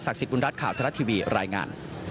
ศักดิ์สิทธิ์บุญรัฐข่าวทะละทีวีรายงาน